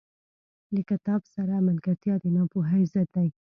• د کتاب سره ملګرتیا، د ناپوهۍ ضد دی.